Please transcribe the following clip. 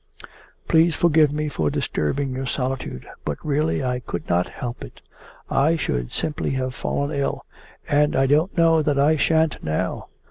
'Please forgive me for disturbing your solitude, but really I could not help it. I should simply have fallen ill. And I don't know that I shan't now.